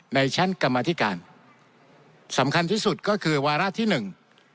ในชั้นกรรมธิการสำคัญที่สุดก็คือวาระที่หนึ่ง